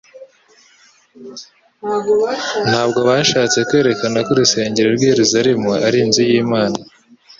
Ntabwo bashatse kwemera ko urusengero rw'i Yerusalemu ari inzu y'Imana,